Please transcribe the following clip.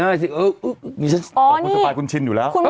ซับทริปคุณชินอยู่แล้ว